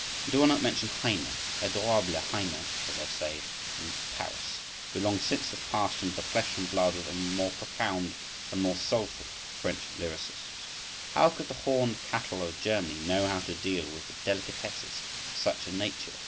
And I do not mention Heine—l'adorable Heine, as they say in Paris—who long since has passed into the flesh and blood of the more profound and more soulful of French lyricists. How could the horned cattle of Germany know how to deal with the délicatesses of such a nature!